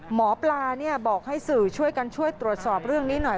หมอปลาบอกให้สื่อช่วยกันช่วยตรวจสอบเรื่องนี้หน่อย